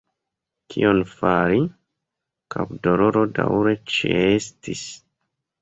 Kion fari – kapdoloro daŭre ĉeestis.